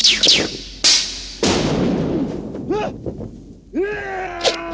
lalu berubah bahasa seribu yg lebih sempurna